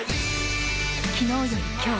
昨日より今日。